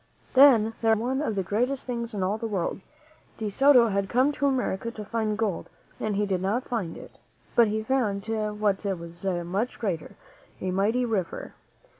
Then there happened one of the greatest things in all the world. De Soto had come to America to find gold and he did not find it; but he found what was much greater, a mighty river.